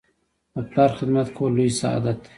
د پلار خدمت کول لوی سعادت دی.